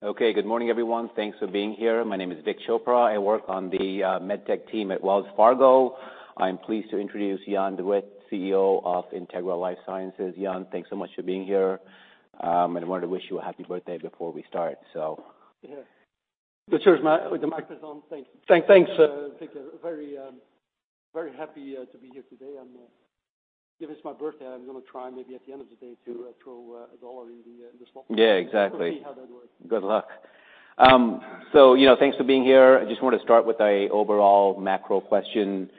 Okay, good morning, everyone. Thanks for being here. My name is Vik Chopra. I work on the medtech team at Wells Fargo. I'm pleased to introduce Jan De Witte, CEO of Integra LifeSciences. Jan, thanks so much for being here, and I wanted to wish you a happy birthday before we start, so. Yeah. The chair's mic is on. Thanks. Thank you. Very happy to be here today. Given it's my birthday, I'm gonna try maybe at the end of the day to throw a dollar in the slot. Yeah, exactly. Let's see how that works. Good luck. So, you know, thanks for being here. I just wanted to start with an overall macro question.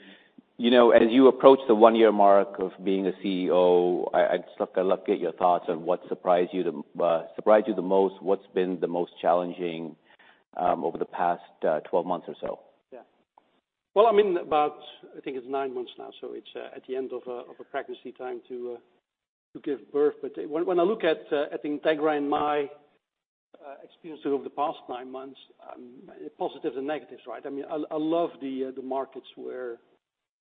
You know, as you approach the one-year mark of being a CEO, I'd like to get your thoughts on what surprised you the most. What's been the most challenging over the past 12 months or so? Yeah. Well, I mean, about, I think it's nine months now, so it's, at the end of a, of a pregnancy time to, to give birth. But when, when I look at, at Integra and my, experience over the past nine months, positives and negatives, right? I mean, I, I love the, the markets where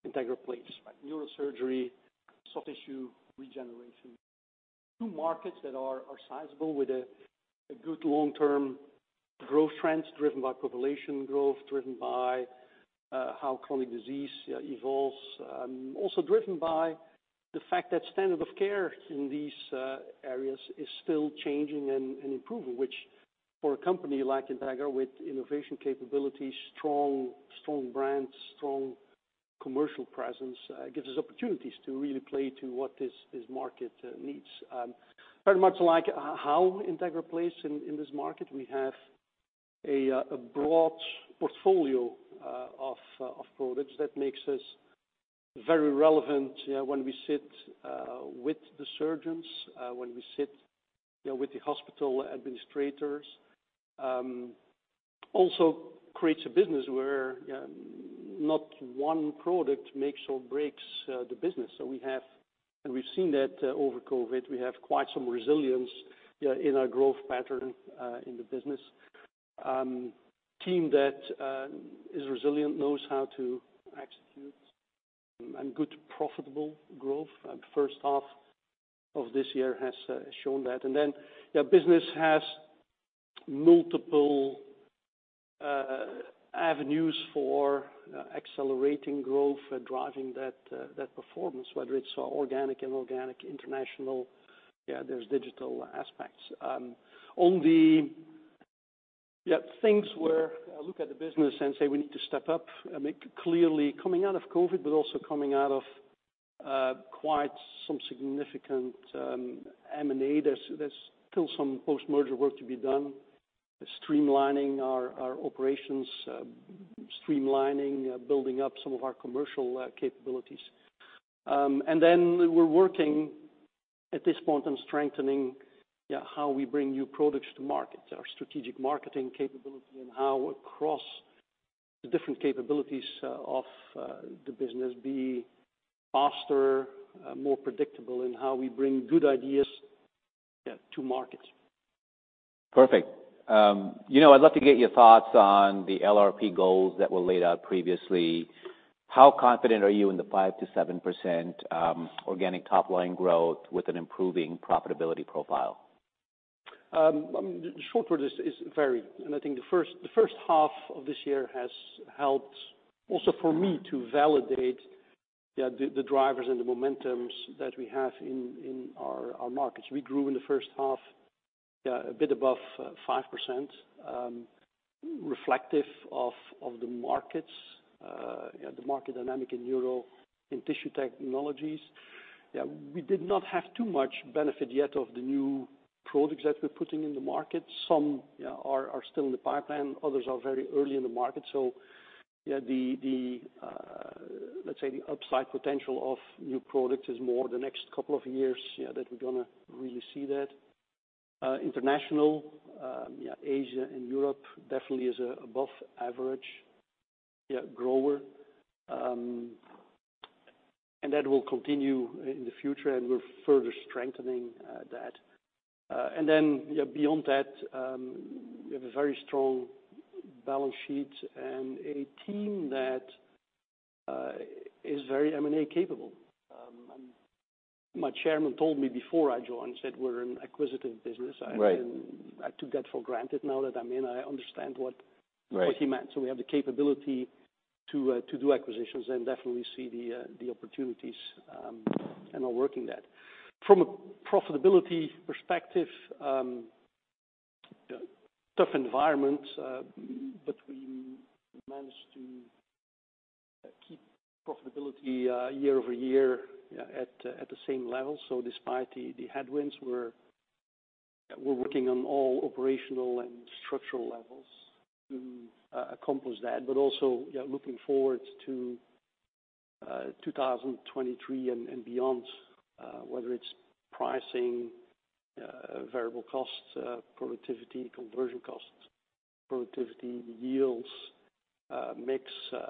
Integra plays, right? Neurosurgery, soft tissue regeneration. Two markets that are, are sizable with a, a good long-term growth trends driven by population growth, driven by, how chronic disease, evolves. Also driven by the fact that standard of care in these, areas is still changing and, and improving, which for a company like Integra with innovation capabilities, strong, strong brands, strong commercial presence, gives us opportunities to really play to what this, this market, needs. Very much like, how Integra plays in, in this market. We have a broad portfolio of products that makes us very relevant, you know, when we sit with the surgeons, when we sit, you know, with the hospital administrators. Also creates a business where, you know, not one product makes or breaks the business. So we have, and we've seen that over COVID. We have quite some resilience, you know, in our growth pattern in the business. Team that is resilient knows how to execute and good profitable growth. First half of this year has shown that. And then, you know, business has multiple avenues for accelerating growth, driving that performance, whether it's organic, inorganic, international. Yeah, there's digital aspects. On the yeah things where look at the business and say we need to step up, make clearly coming out of COVID, but also coming out of quite some significant M&A. There's still some post-merger work to be done, streamlining our operations, building up some of our commercial capabilities, and then we're working at this point on strengthening how we bring new products to market, our strategic marketing capability, and how across the different capabilities of the business to be faster, more predictable in how we bring good ideas to market. Perfect. You know, I'd love to get your thoughts on the LRP goals that were laid out previously. How confident are you in the 5%-7% organic top-line growth with an improving profitability profile? I mean, the short word is very. And I think the first half of this year has helped also for me to validate, yeah, the drivers and the momentum that we have in our markets. We grew in the first half, yeah, a bit above 5%, reflective of the markets, you know, the market dynamic in neuro and tissue technologies. Yeah, we did not have too much benefit yet of the new products that we're putting in the market. Some, you know, are still in the pipeline. Others are very early in the market. So, yeah, the upside potential of new products is more the next couple of years, you know, that we're gonna really see that. International, yeah, Asia and Europe definitely is above-average, yeah, grower. And that will continue in the future, and we're further strengthening that. And then, you know, beyond that, we have a very strong balance sheet and a team that is very M&A capable. And my chairman told me before I joined, said we're an acquisitive business. Right. I, and I took that for granted now that I'm in. I understand what. Right. What he meant. So we have the capability to do acquisitions and definitely see the opportunities, and are working that. From a profitability perspective, you know, tough environment, but we managed to keep profitability year-over-year, you know, at the same level. So despite the headwinds, we're working on all operational and structural levels to accomplish that, but also, you know, looking forward to 2023 and beyond, whether it's pricing, variable costs, productivity, conversion costs, yields, mix.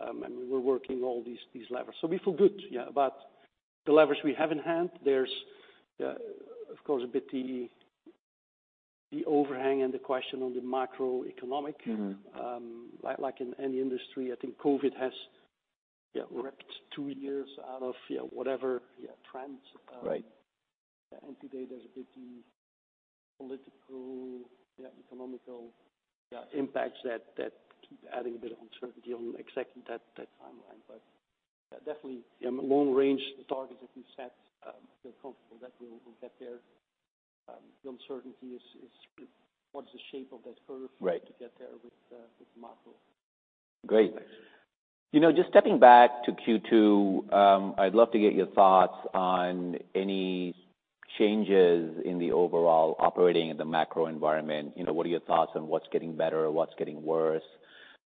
I mean, we're working all these levers. So we feel good, you know, about the levers we have in hand. There's, you know, of course, a bit the overhang and the question on the macroeconomic. Mm-hmm. Like in any industry, I think COVID has, you know, ripped two years out of, you know, whatever, you know, trends. Right. And today there's a bit the political, you know, economic, you know, impacts that keep adding a bit of uncertainty on exactly that timeline. But, yeah, definitely, you know, long-range targets that we've set, feel comfortable that we'll get there. The uncertainty is what's the shape of that curve. Right. To get there with the macro. Great. You know, just stepping back to Q2, I'd love to get your thoughts on any changes in the overall operating in the macro environment. You know, what are your thoughts on what's getting better, what's getting worse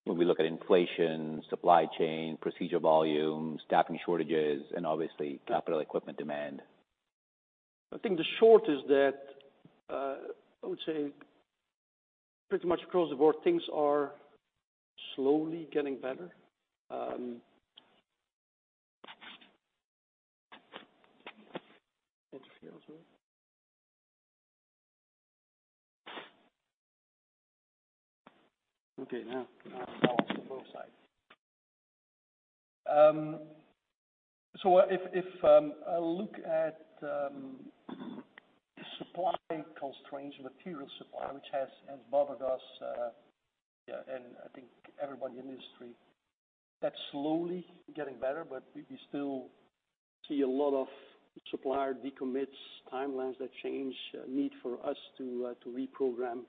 when we look at inflation, supply chain, procedure volume, staffing shortages, and obviously capital equipment demand? I think the short is that I would say pretty much across the board things are slowly getting better. Inflation a little bit. Okay. Now on both sides. So what if I look at supply constraints, material supply, which has bothered us, yeah, and I think everybody in the industry, that's slowly getting better, but we still see a lot of supplier decommits, timelines that change, need for us to reprogram,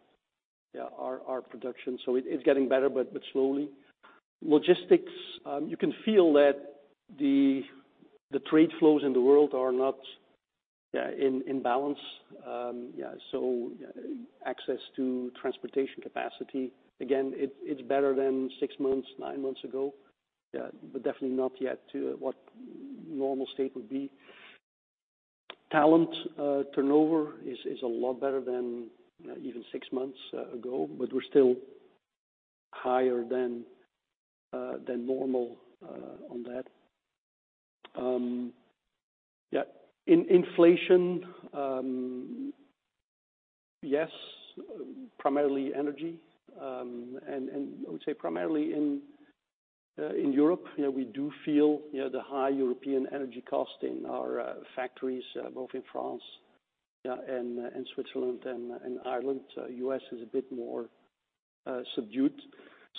you know, our production. So it's getting better, but slowly. Logistics, you can feel that the trade flows in the world are not, yeah, in balance. Yeah, so you know, access to transportation capacity, again, it's better than six months, nine months ago. Yeah, but definitely not yet to what normal state would be. Talent turnover is a lot better than, you know, even six months ago, but we're still higher than normal on that. Yeah, in inflation, yes, primarily energy, and I would say primarily in Europe. You know, we do feel, you know, the high European energy cost in our factories, both in France, you know, and Switzerland and Ireland. U.S. is a bit more subdued.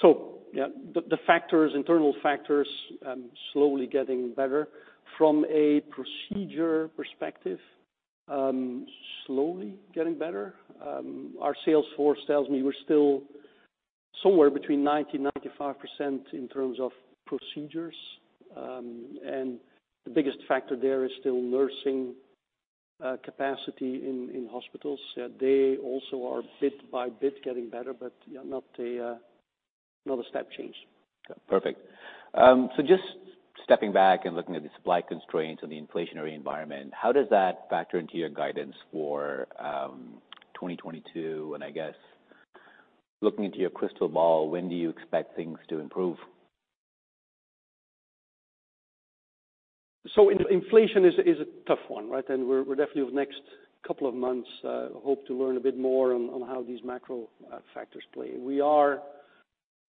So, yeah, the internal factors slowly getting better. From a procedure perspective, slowly getting better. Our sales force tells me we're still somewhere between 90%-95% in terms of procedures, and the biggest factor there is still nursing capacity in hospitals. You know, they also are bit by bit getting better, but you know, not a step change. Perfect. So just stepping back and looking at the supply constraints and the inflationary environment, how does that factor into your guidance for 2022? And I guess looking into your crystal ball, when do you expect things to improve? So inflation is a tough one, right? And we're definitely over the next couple of months hope to learn a bit more on how these macro factors play. We are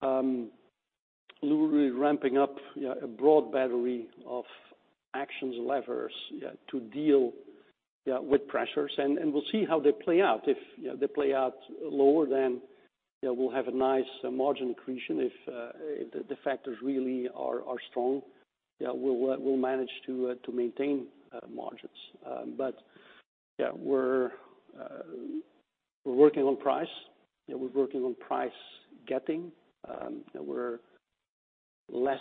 literally ramping up, you know, a broad battery of actions, levers, you know, to deal, you know, with pressures. And we'll see how they play out. If, you know, they play out lower than, you know, we'll have a nice margin accretion if the factors really are strong. You know, we'll manage to maintain margins. But yeah, we're working on price. You know, we're working on price getting. You know, we're less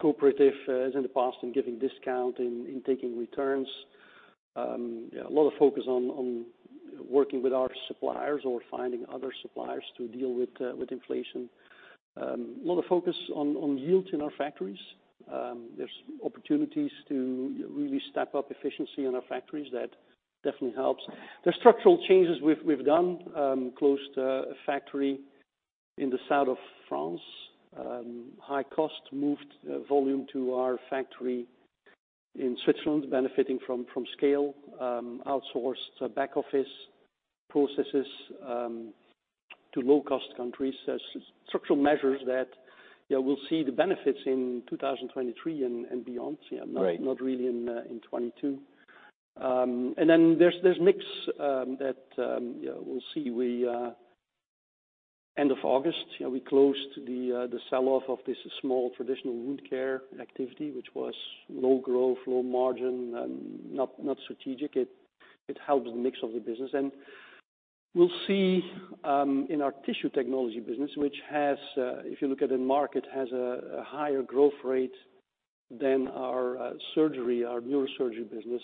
cooperative as in the past in giving discount in taking returns. You know, a lot of focus on working with our suppliers or finding other suppliers to deal with inflation. A lot of focus on yields in our factories. There's opportunities to really step up efficiency in our factories that definitely helps. There's structural changes we've done. Closed a factory in the south of France. High-cost, moved volume to our factory in Switzerland, benefiting from scale, outsourced back office processes to low-cost countries. Structural measures that, you know, we'll see the benefits in 2023 and beyond. Right. You know, not really in 2022, and then there's mix that you know we'll see. End of August, you know, we closed the selloff of this small traditional wound care activity, which was low growth, low margin, not strategic. It helped the mix of the business, and we'll see in our tissue technology business, which has, if you look at the market, a higher growth rate than our surgery, our neurosurgery business,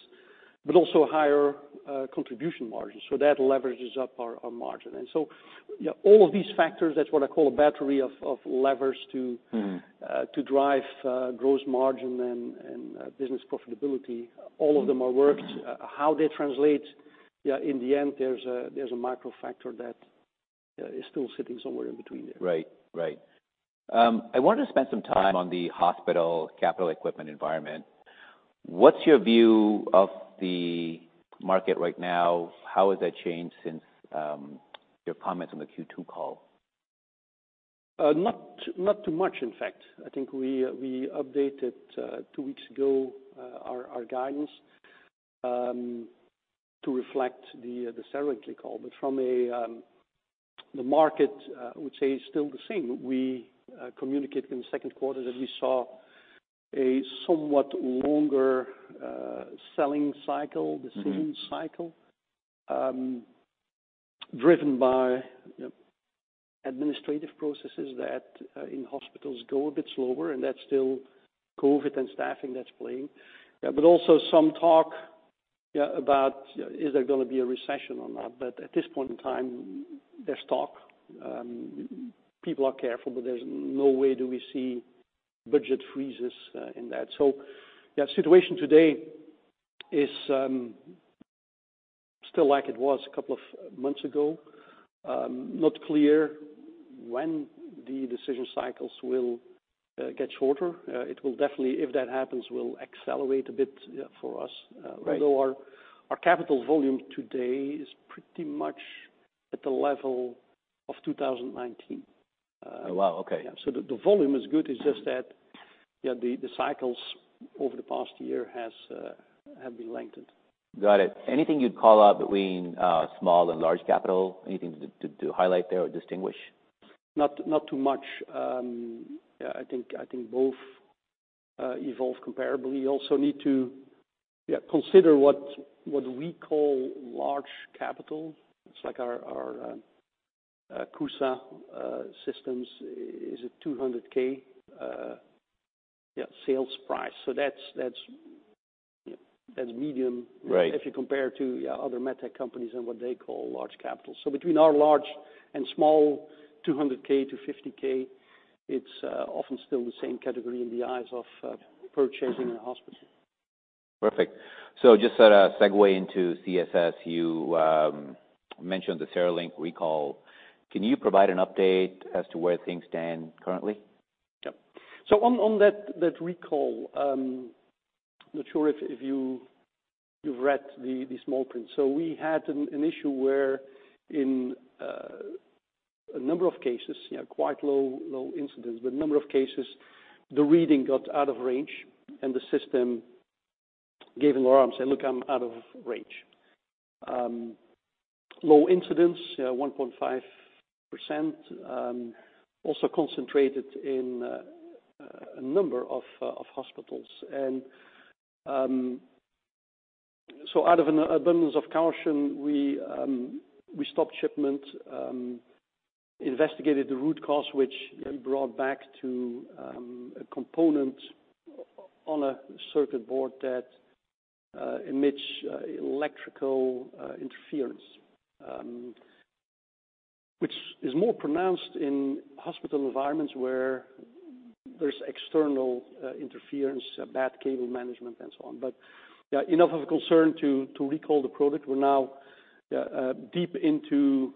but also higher contribution margins. So that leverages up our margin, and so you know all of these factors, that's what I call a battery of levers to. Mm-hmm. To drive gross margin and business profitability. All of them are worked. How they translate, you know, in the end, there's a macro factor that, you know, is still sitting somewhere in between there. Right. Right. I wanted to spend some time on the hospital capital equipment environment. What's your view of the market right now? How has that changed since your comments on the Q2 call? Not too much, in fact. I think we updated two weeks ago our guidance to reflect the CereLink recall. But from the market, I would say, is still the same. We communicated in the second quarter that we saw a somewhat longer selling cycle, decision cycle, driven by, you know, administrative processes that in hospitals go a bit slower. And that's still COVID and staffing that's playing. Yeah, but also some talk, you know, about, you know, is there gonna be a recession or not? But at this point in time, there's talk. People are careful, but there's no way do we see budget freezes in that. So, yeah, the situation today is still like it was a couple of months ago. Not clear when the decision cycles will get shorter. It will definitely, if that happens, accelerate a bit, you know, for us. Right. Although our capital volume today is pretty much at the level of 2019. Oh, wow. Okay. Yeah. So the volume is good. It's just that, you know, the cycles over the past year have been lengthened. Got it. Anything you'd call out between small and large capital? Anything to highlight there or distinguish? Not too much. Yeah, I think both evolve comparably. You also need to consider what we call large capital. It's like our CUSA systems is a $200,000, you know, sales price. So that's, you know, that's medium. Right. If you compare it to, you know, other medtech companies and what they call large capital. So between our large and small, $200,000-$50,000, it's often still the same category in the eyes of purchasing a hospital. Perfect. So just a segue into CSS, you mentioned the CereLink recall. Can you provide an update as to where things stand currently? Yep. On that recall, I'm not sure if you've read the small print. We had an issue where in a number of cases, you know, quite low incidence, but a number of cases, the reading got out of range, and the system gave an alarm and said, "Look, I'm out of range." Low incidence, you know, 1.5%, also concentrated in a number of hospitals. Out of an abundance of caution, we stopped shipment, investigated the root cause, which you know brought back to a component on a circuit board that emits electrical interference, which is more pronounced in hospital environments where there's external interference, bad cable management, and so on. But yeah, enough of a concern to recall the product. We're now, you know, deep into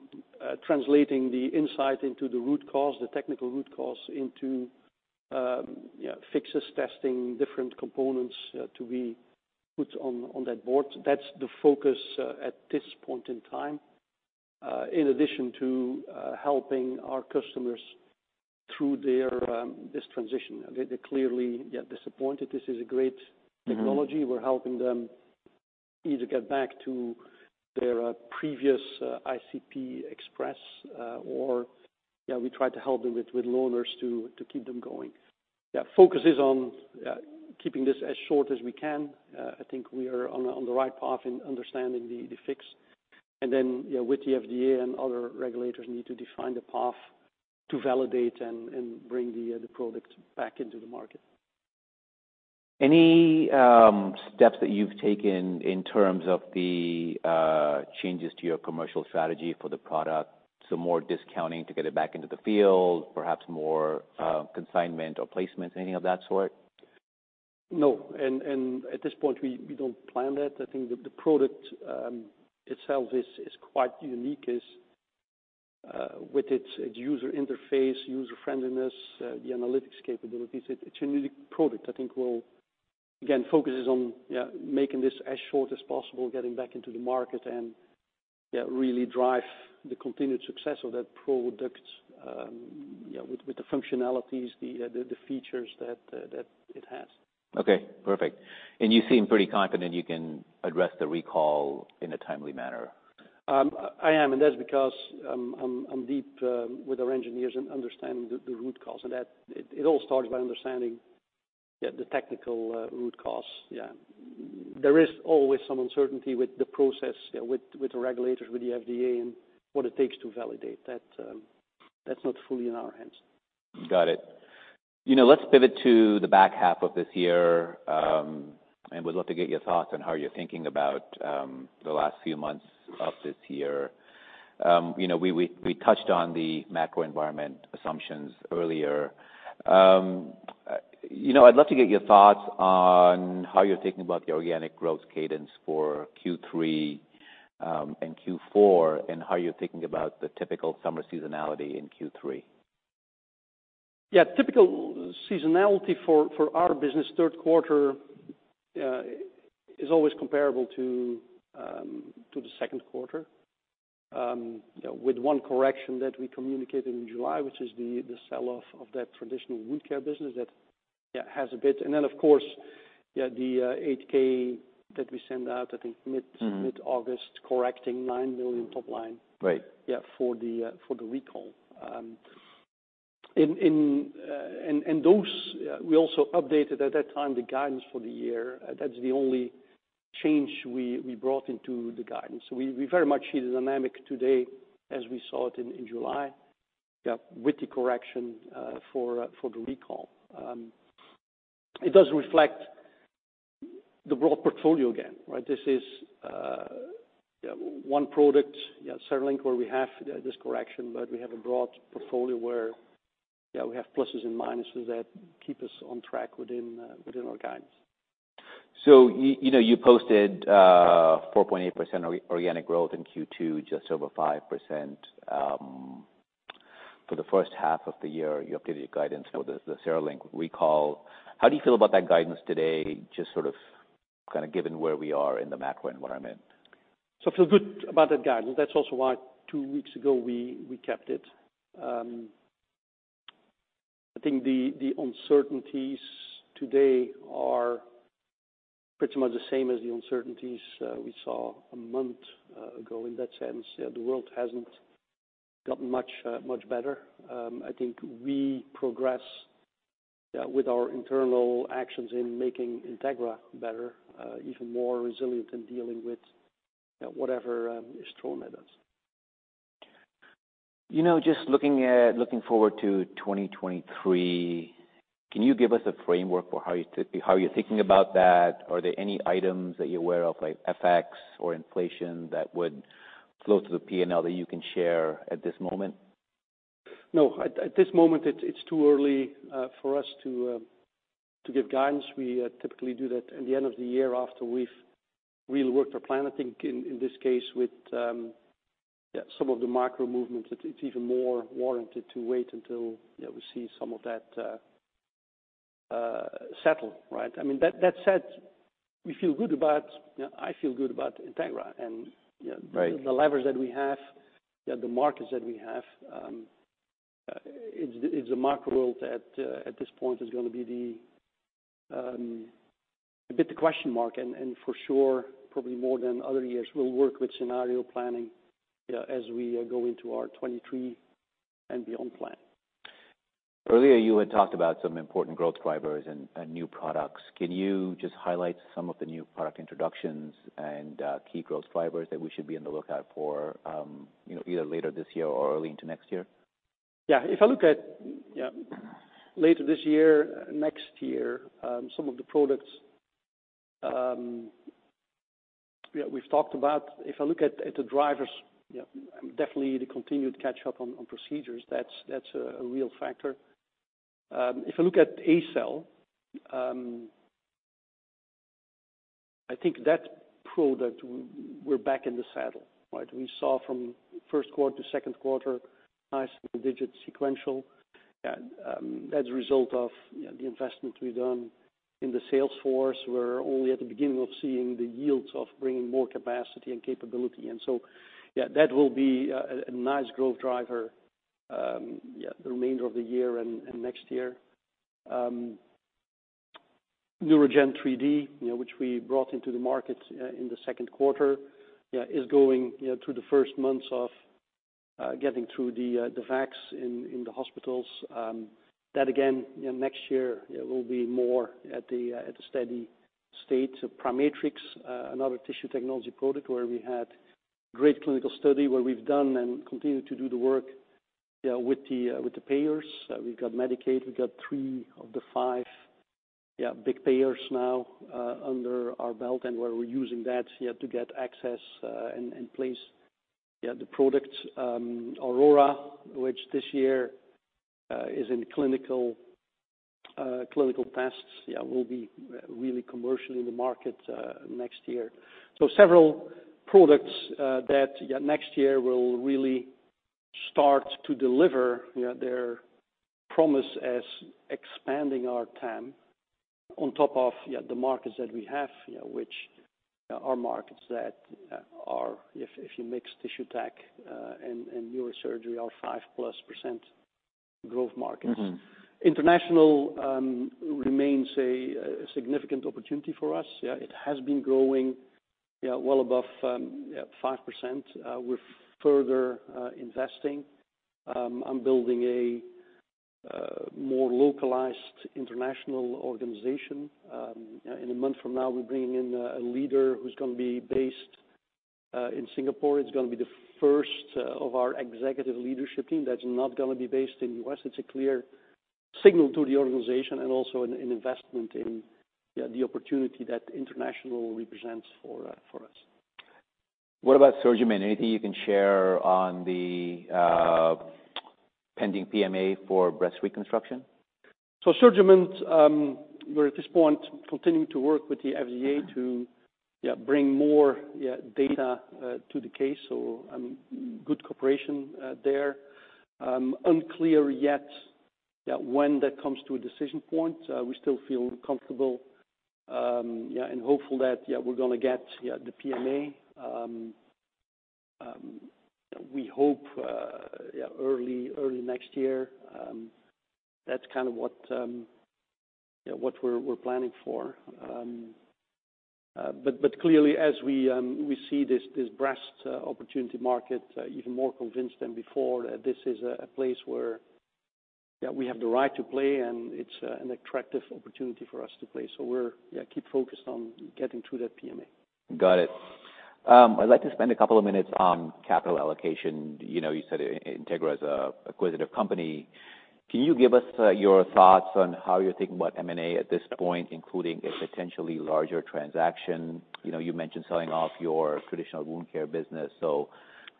translating the insight into the root cause, the technical root cause into, you know, fixes, testing different components, you know, to be put on that board. That's the focus at this point in time, in addition to helping our customers through this transition. They're clearly, you know, disappointed. This is a great technology. We're helping them either get back to their previous ICP EXPRESS, or, you know, we try to help them with loaners to keep them going. Yeah, focus is on keeping this as short as we can. I think we are on the right path in understanding the fix. And then, you know, with the FDA and other regulators, need to define the path to validate and bring the product back into the market. Any steps that you've taken in terms of the changes to your commercial strategy for the product? So more discounting to get it back into the field, perhaps more consignment or placements, anything of that sort? No. And at this point, we don't plan that. I think the product itself is quite unique as with its user interface, user friendliness, the analytics capabilities. It's a unique product. I think we'll again focus on you know making this as short as possible, getting back into the market, and you know really drive the continued success of that product you know with the functionalities, the features that it has. Okay. Perfect. And you seem pretty confident you can address the recall in a timely manner. I am. And that's because I'm deep with our engineers and understanding the root cause. And that it all starts by understanding, you know, the technical root cause. Yeah. There is always some uncertainty with the process, you know, with the regulators, with the FDA and what it takes to validate that. That's not fully in our hands. Got it. You know, let's pivot to the back half of this year, and would love to get your thoughts on how you're thinking about the last few months of this year. You know, we touched on the macro environment assumptions earlier. You know, I'd love to get your thoughts on how you're thinking about the organic growth cadence for Q3 and Q4, and how you're thinking about the typical summer seasonality in Q3. Yeah. Typical seasonality for our business, third quarter, is always comparable to the second quarter, you know, with one correction that we communicated in July, which is the selloff of that traditional wound care business that has a bit. And then, of course, the 8-K that we send out, I think, mid. Mm-hmm. Mid-August, correcting $9 million top line. Right. Yeah, for the recall. And those, we also updated at that time the guidance for the year. That's the only change we brought into the guidance. So we very much see the dynamic today as we saw it in July, you know, with the correction for the recall. It does reflect the broad portfolio again, right? This is, you know, one product, you know, CereLink, where we have this correction, but we have a broad portfolio where, you know, we have pluses and minuses that keep us on track within our guidance. So you, you know, you posted 4.8% organic growth in Q2, just over 5%, for the first half of the year. You updated your guidance for the CereLink recall. How do you feel about that guidance today, just sort of kind of given where we are in the macro environment? So I feel good about that guidance. That's also why two weeks ago we kept it. I think the uncertainties today are pretty much the same as the uncertainties we saw a month ago in that sense. You know, the world hasn't gotten much better. I think we progress, you know, with our internal actions in making Integra better, even more resilient in dealing with, you know, whatever is thrown at us. You know, just looking forward to 2023, can you give us a framework for how you're thinking about that? Are there any items that you're aware of, like FX or inflation, that would flow through the P&L that you can share at this moment? No. At this moment, it's too early for us to give guidance. We typically do that at the end of the year after we've really worked our plan. I think, in this case with some of the macro movements, it's even more warranted to wait until, you know, we see some of that settle, right? I mean, that said, we feel good about, you know, I feel good about Integra. And, you know. Right. The levers that we have, you know, the markets that we have, it's, it's a macro world that, at this point, is gonna be the, a bit the question mark. And, and for sure, probably more than other years, we'll work with scenario planning, you know, as we, go into our 2023 and beyond plan. Earlier, you had talked about some important growth drivers and new products. Can you just highlight some of the new product introductions and key growth drivers that we should be on the lookout for, you know, either later this year or early into next year? Yeah. If I look at, you know, later this year, next year, some of the products, you know, we've talked about. If I look at the drivers, you know, definitely the continued catch-up on procedures, that's a real factor. If I look at ACell, I think that product, we're back in the saddle, right? We saw from first quarter to second quarter, nice digit sequential. Yeah. That's a result of, you know, the investment we've done in the sales force, we're only at the beginning of seeing the yields of bringing more capacity and capability. And so, yeah, that will be a nice growth driver, yeah, the remainder of the year and next year. NeuraGen 3D, you know, which we brought into the market, in the second quarter, you know, is going, you know, through the first months of getting through the VACs in the hospitals. That again, you know, next year, you know, will be more at the steady state. So PriMatrix, another tissue technology product where we had great clinical study where we've done and continue to do the work, you know, with the payers. We've got Medicaid. We've got three of the five, you know, big payers now, under our belt, and we're using that, you know, to get access and place, you know, the product. Aurora, which this year, is in clinical tests, you know, will be really commercially in the market, next year. So several products that, you know, next year will really start to deliver, you know, their promise as expanding our TAM on top of, you know, the markets that we have, you know, which, you know, are markets that are, if you mix tissue tech and neurosurgery, are 5%+ growth markets. Mm-hmm. International remains a significant opportunity for us. Yeah. It has been growing, you know, well above 5%. We're further investing. I'm building a more localized international organization. You know, in a month from now, we're bringing in a leader who's gonna be based in Singapore. It's gonna be the first of our executive leadership team that's not gonna be based in the U.S. It's a clear signal to the organization and also an investment in, you know, the opportunity that international represents for us. What about SurgiMend? Anything you can share on the pending PMA for breast reconstruction? So, SurgiMend, we're at this point continuing to work with the FDA to, you know, bring more, you know, data, to the case. So, good cooperation there. It's unclear yet, you know, when that comes to a decision point. We still feel comfortable, you know, and hopeful that, you know, we're gonna get, you know, the PMA. We hope, you know, early, early next year. That's kind of what, you know, what we're, we're planning for. But, but clearly, as we, we see this, this breast opportunity market, even more convinced than before that this is a, a place where, you know, we have the right to play, and it's an attractive opportunity for us to play. So, we're, you know, keep focused on getting through that PMA. Got it. I'd like to spend a couple of minutes on capital allocation. You know, you said Integra is a acquisitive company. Can you give us your thoughts on how you're thinking about M&A at this point, including a potentially larger transaction? You know, you mentioned selling off your traditional wound care business, so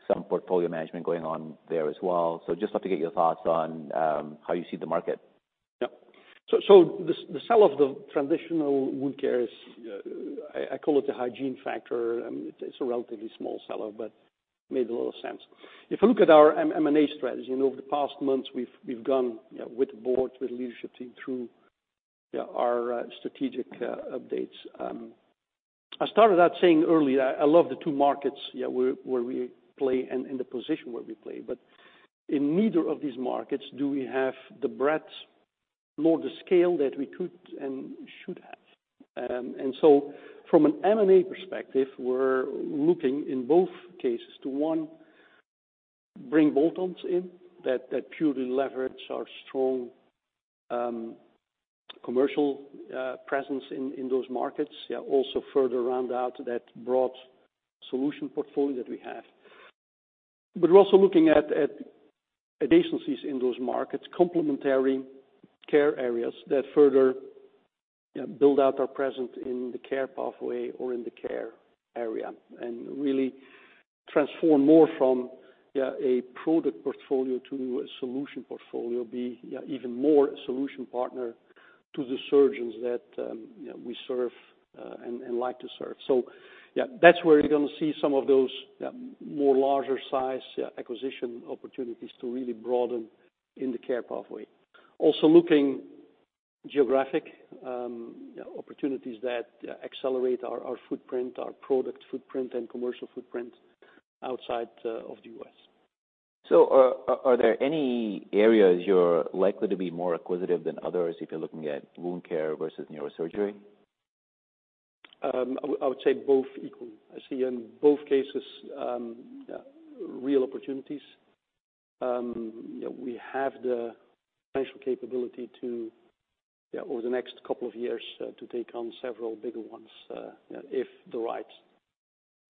some portfolio management going on there as well. So just love to get your thoughts on how you see the market. Yep. So the selloff of the traditional wound care is. I call it the hygiene factor. It's a relatively small selloff, but it made a lot of sense. If I look at our M&A strategy, you know, over the past months, we've gone, you know, with the board, with the leadership team through, you know, our strategic updates. I started out saying earlier, I love the two markets, you know, where we play and the position where we play. But in neither of these markets do we have the breadth nor the scale that we could and should have. So from an M&A perspective, we're looking in both cases to, one, bring bolt-ons in that purely leverage our strong commercial presence in those markets, you know, also further round out that broad solution portfolio that we have. But we're also looking at adjacencies in those markets, complementary care areas that further, you know, build out our presence in the care pathway or in the care area and really transform more from, you know, a product portfolio to a solution portfolio, be, you know, even more a solution partner to the surgeons that, you know, we serve, and like to serve. So, yeah, that's where you're gonna see some of those, you know, more larger size, you know, acquisition opportunities to really broaden in the care pathway. Also looking geographic, you know, opportunities that, you know, accelerate our footprint, our product footprint and commercial footprint outside of the U.S. Are there any areas you're likely to be more acquisitive than others if you're looking at wound care versus neurosurgery? I would say both equally. I see in both cases, you know, real opportunities. You know, we have the financial capability to, you know, over the next couple of years, to take on several bigger ones, you know, if the right,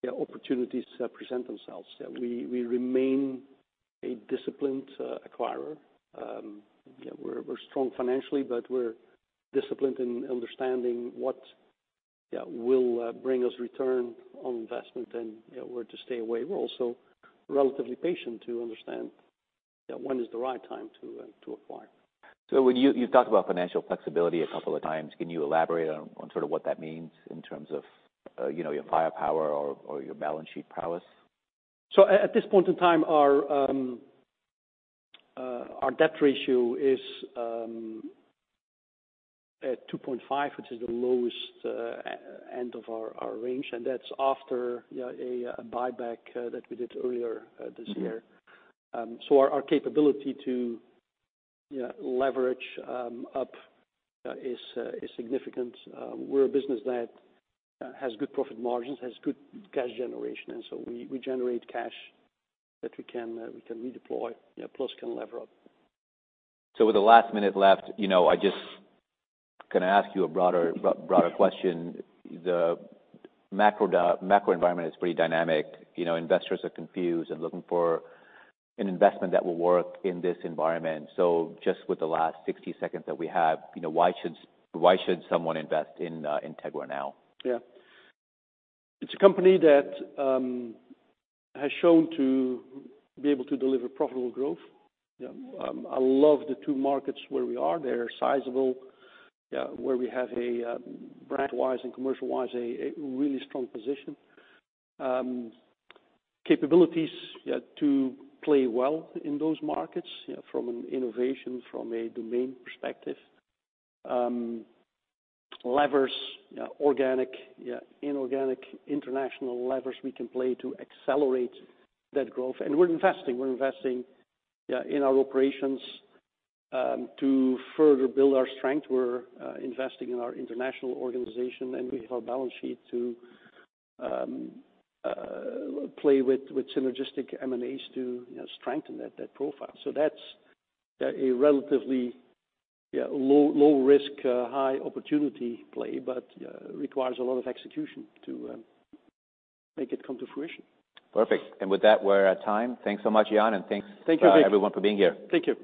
you know, opportunities present themselves. You know, we remain a disciplined acquirer. You know, we're strong financially, but we're disciplined in understanding what, you know, will bring us return on investment, and, you know, where to stay away. We're also relatively patient to understand, you know, when is the right time to acquire. So when you've talked about financial flexibility a couple of times. Can you elaborate on sort of what that means in terms of, you know, your firepower or your balance sheet prowess? So at this point in time, our debt ratio is at 2.5x, which is the lowest end of our range. And that's after, you know, a buyback that we did earlier this year. So our capability to, you know, leverage up, you know, is significant. We're a business that, you know, has good profit margins, has good cash generation. And so we generate cash that we can redeploy, you know, plus can lever up. With the last minute left, you know, I'm just gonna ask you a broader question. The macro environment is pretty dynamic. You know, investors are confused and looking for an investment that will work in this environment. Just with the last 60 seconds that we have, you know, why should someone invest in Integra now? Yeah. It's a company that has shown to be able to deliver profitable growth. You know, I love the two markets where we are. They're sizable, you know, where we have a brand-wise and commercial-wise a really strong position capabilities, you know, to play well in those markets, you know, from an innovation, from a domain perspective. Levers, you know, organic, you know, inorganic international levers we can play to accelerate that growth. And we're investing. We're investing, you know, in our operations, to further build our strength. We're investing in our international organization, and we have our balance sheet to play with, with synergistic M&As to, you know, strengthen that profile. So that's, you know, a relatively, you know, low, low-risk, high-opportunity play, but, you know, requires a lot of execution to make it come to fruition. Perfect. And with that, we're at time. Thanks so much, Jan, and thanks. Thank you, Vik. Everyone for being here. Thank you.